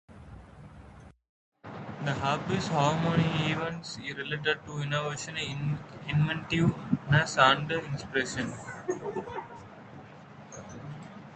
The hub is a home of many events related to innovation, inventiveness and inspiration.